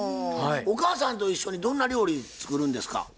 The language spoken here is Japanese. ほおお母さんと一緒にどんな料理作るんですか？